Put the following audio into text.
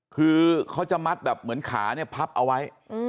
คือเขาจะมัดแบบเหมือนขาเนี่ยพับเอาไว้